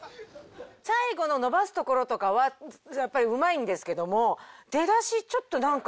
最後の伸ばすところとかはやっぱりうまいんですけども。